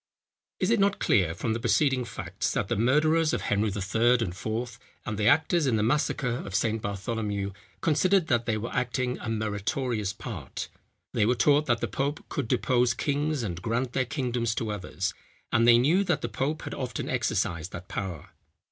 Is it not clear from the preceding facts, that the murderers of Henry III. and IV. and the actors in the massacre of St. Bartholomew considered that they were acting a meritorious part? They were taught that the pope could depose kings and grant their kingdoms to others; and they knew that the pope had often exercised that power.